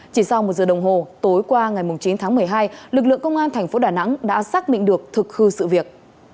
chỉ sau một giờ đồng hồ tối qua ngày chín tháng một mươi hai lực lượng công an thành phố đà nẵng đã xác định được thực hư sự việc